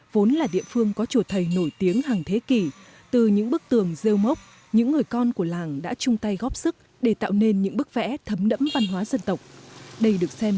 vốn là địa phương có chùa thầy nổi tiếng hàng thế kỷ từ những bức tường rêu mốc những người con của làng đã chung tay góp sức để tạo nên những bức vẽ thấm đẫm văn hóa dân tộc